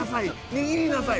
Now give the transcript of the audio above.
握りなさい。